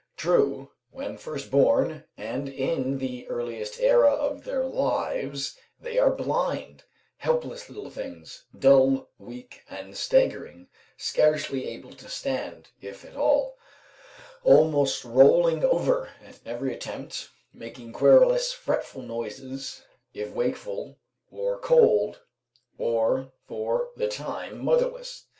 True, when first born and in the earliest era of their lives, they are blind, helpless little things, dull, weak, and staggering, scarcely able to stand, if at all, almost rolling over at every attempt, making querulous, fretful noises, if wakeful or cold, or for the time motherless.